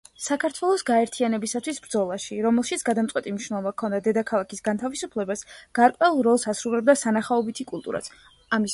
საქართველოს გაერთიანებისათვის ბრძოლაში, რომელშიც გადამწყვეტი მნიშვნელობა ჰქონდა დედაქალაქის განთავისუფლებას, გარკვეულ როლს ასრულებდა სანახაობითი კულტურაც.